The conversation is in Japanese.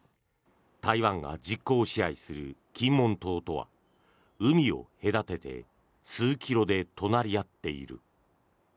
台湾が実効支配する金門島とは海を隔てて数キロで隣り合っている。